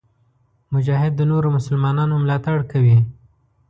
مجاهد د نورو مسلمانانو ملاتړ کوي.